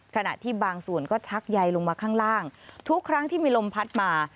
ขณะที่บางส่วนก็ชักใยลงมาข้างล่างทุกครั้งที่มีลมพัดมา